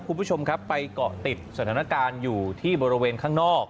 คุณผู้ชมครับไปเกาะติดสถานการณ์อยู่ที่บริเวณข้างนอก